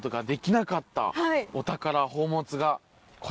宝物が。